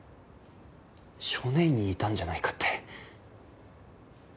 少年院にいたんじゃないかって。